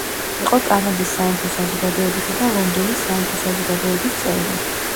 იყო კანადის სამეფო საზოგადოებისა და ლონდონის სამეფო საზოგადოების წევრი.